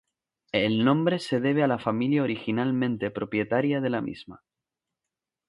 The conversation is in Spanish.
El nombre se debe a la familia originalmente propietaria de la misma.